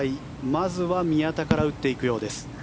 まずは宮田から打っていくようです。